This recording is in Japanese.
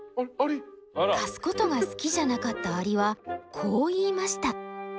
貸すことが好きじゃなかったアリはこう言いました。